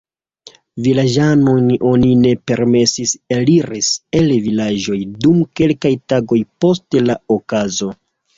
Vilaĝanojn oni ne permesis eliris el vilaĝoj dum kelkaj tagoj post la okazo.